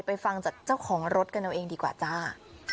ฟังจากเจ้าของรถกันเอาเองดีกว่าจ้า